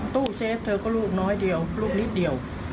ตู้เซฟเธอก็ลูกน้อยเดียวลูกนิดเดียว